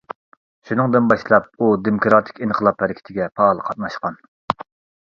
شۇنىڭدىن باشلاپ ئۇ دېموكراتىك ئىنقىلاب ھەرىكىتىگە پائال قاتناشقان.